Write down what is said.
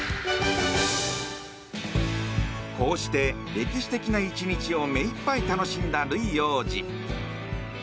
こうして歴史的な１日をめいっぱい楽しんだルイ王子。